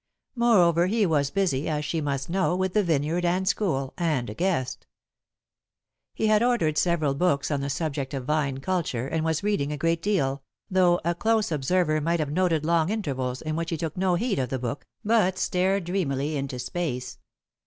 Moreover, he was busy, as she must know, with the vineyard and school, and a guest. He had ordered several books on the subject of vine culture, and was reading a great deal, though a close observer might have noted long intervals in which he took no heed of the book, but stared dreamily into space.